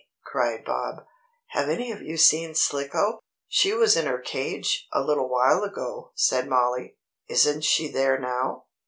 cried Bob, "have any of you seen Slicko?" "She was in her cage, a little while ago," said Mollie. "Isn't she there now?"